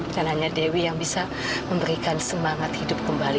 dan hanya dewi yang bisa memberikan semangat hidup kembali